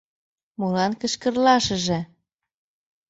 Молан кычкырлашыже?